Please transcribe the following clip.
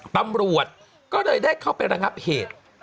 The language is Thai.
ตำรวจก็เลยได้เข้าไประงับเหตุ